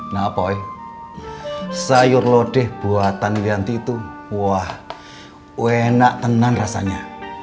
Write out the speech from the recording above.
napoy sayur lodeh buatan lianti itu wah enak tenang rasanya